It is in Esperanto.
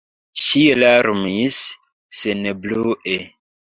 Ŝi larmis senbrue.